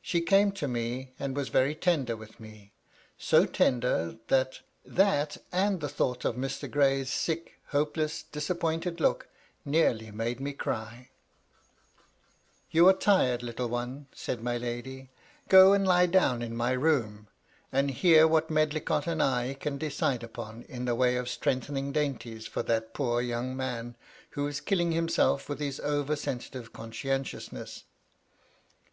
She came to me, and was very tender with me; so tender, that that, and the thoughts of Mr. Gray s sick, hopeless, disappointed look, nearly made me cry. . 240 MY LADY LUDLOW. ^^ You are tired, little one," said my lady. ^^ Go and lie down in my room, and hear what Medlicott and I can decide upon in the way of strengthening dainties for that poor young man, who is killing himself with his over sensitive conscientiousness."